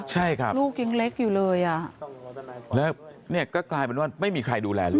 ใช่ครับลูกยังเล็กอยู่เลยอ่ะแล้วเนี่ยก็กลายเป็นว่าไม่มีใครดูแลลูก